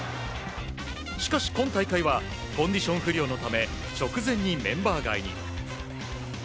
しかし今大会はコンディション不良のため直前にメンバー外に。